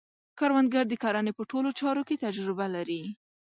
کروندګر د کرنې په ټولو چارو کې تجربه لري